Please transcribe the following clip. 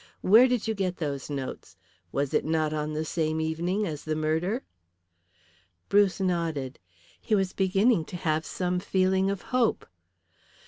Where did you get those notes? Was it not on the same evening as the murder?" Bruce nodded. He was beginning to have some feeling of hope.